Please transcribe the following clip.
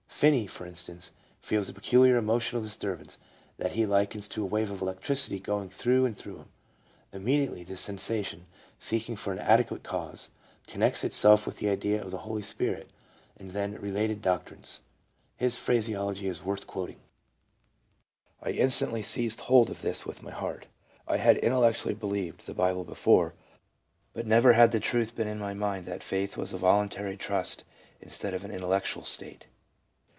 Finney, for instance, feels a peculiar emotional disturbance, that he likens to a wave of electricity going through and through him ; im mediately this sensation, seeking for an adequate cause, con nects itself with the idea of the Holy Spirit and the related doctrines. His phraseology is worth quoting :" I instantly seized hold of this with my heart. I had in tellectually believed the Bible before, but never had the truth been in my mind that faith was a voluntary trust instead of an intellectual state.